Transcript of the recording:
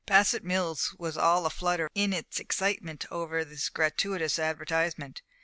Bassett Mills was all a flutter in its excitement over this gratuitous advertisement.